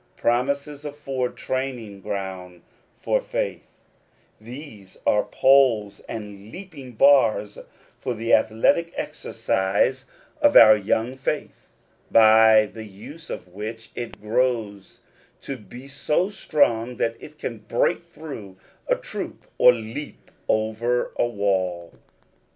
Promises afford training ground for faith: these are poles and leaping bars for the athletic exercise of our 6o According to the Promise. young faith, by the use of which it grows to be so strong that it can break through a troop, or leap over a wall.